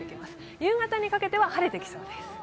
夕方にかけては晴れてきそうです。